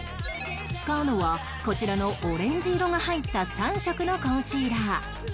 使うのはこちらのオレンジ色が入った３色のコンシーラー